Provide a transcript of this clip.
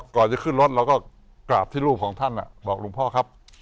ก่อนจะขึ้นรถเราก็กราบที่รูปของท่านบอกหลวงพ่อครับ